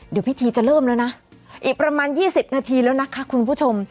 เดี๋ยวพิธีจะเริ่มแล้วนะอีกประมาณ๒๐นาทีแล้วนะคะคุณผู้ชม